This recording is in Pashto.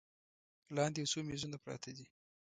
لاندې یو څو میزونه پراته دي.